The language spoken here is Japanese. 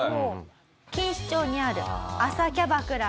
錦糸町にある朝キャバクラです。